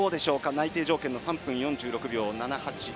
内定条件の３分４３秒７８。